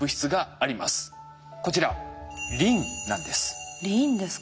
こちらリンなんです。